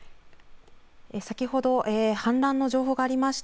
先ほど氾濫の情報がありました